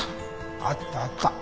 あったあった。